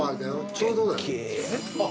ちょうどだよあっ